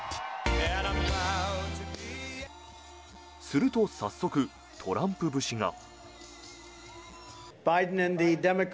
すると、早速トランプ節が。